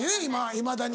いまだに。